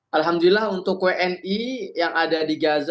alhamdulillah untuk wni yang ada di gaza